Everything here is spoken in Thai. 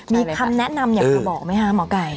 มีคำแนะนำอยากจะบอกไหมคะหมอไก่